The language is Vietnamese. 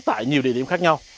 tại nhiều địa điểm khác nhau